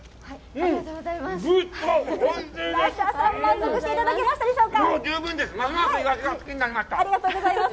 ありがとうございます。